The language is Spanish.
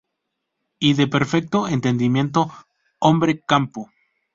Y de perfecto entendimiento hombre-campo.